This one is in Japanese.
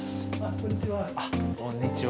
こんにちは。